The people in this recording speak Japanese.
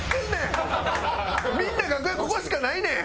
みんな楽屋ここしかないねん！